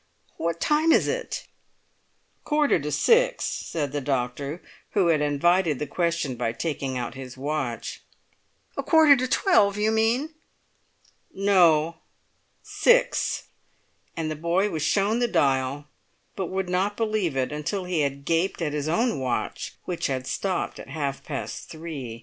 What time is it?" "A quarter to six," said the doctor, who had invited the question by taking out his watch. "A quarter to twelve, you mean!" "No—six." And the boy was shown the dial, but would not believe it until he had gaped at his own watch, which had stopped at half past three.